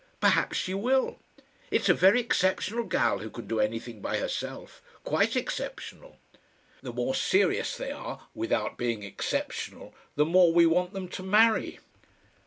Perhaps she will. It's a very exceptional gal who can do anything by herself quite exceptional. The more serious they are without being exceptional the more we want them to marry."